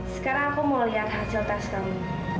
sekarang aku mau lihat hasil tes kami